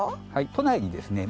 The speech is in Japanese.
都内にですね